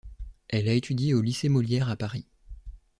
Elle a étudié au lycée Molière à Paris.